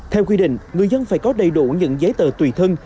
theo quy định người dân phải có đầy đủ những giấy tờ tùy thân